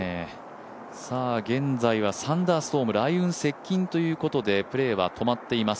現在はサンダーストーム、雷雲接近ということでプレーは止まっています。